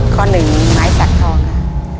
ข้อหนึ่งไม้สักทองค่ะ